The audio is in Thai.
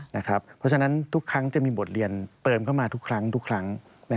เพราะฉะนั้นทุกครั้งจะมีบทเรียนเติมเข้ามาทุกครั้งทุกครั้ง